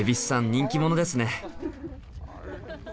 人気者ですね！